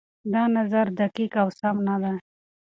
دا نظر دقيق او سم نه دی.